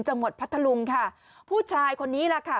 จังหวัดพัทธรุงค่ะผู้ชายคนนี้ล่ะค่ะ